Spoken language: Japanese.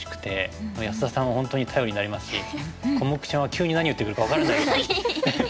安田さんは本当に頼りになりますしコモクちゃんは急に何を言ってくるか分からないから。